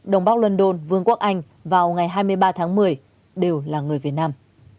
đông bắc london vương quốc anh vào ngày hai mươi ba tháng một mươi đều là người việt nam